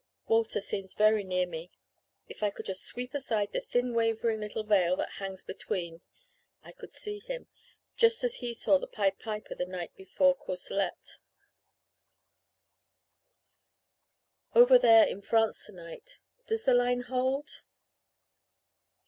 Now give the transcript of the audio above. Walter seems very near me if I could just sweep aside the thin wavering little veil that hangs between, I could see him just as he saw the Pied Piper the night before Courcelette. "Over there in France tonight does the line hold?"